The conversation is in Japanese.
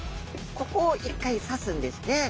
ここを１回刺すんですね。